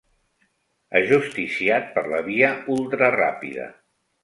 Ajusticiat per la via ultraràpida.